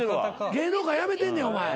芸能界辞めてんねんお前。